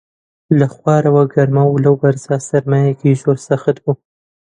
لە خوارەوە گەرما و لەو بەرزە سەرمایەکی زۆر سەخت بوو